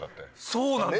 そうなんですよ。